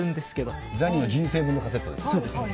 ザニーの人生分のカセットです。